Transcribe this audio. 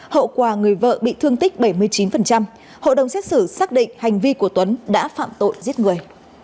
hậu quả người vợ bị thương tích bảy mươi chín hội đồng xét xử xác định hành vi của tuấn đã phạm tội giết người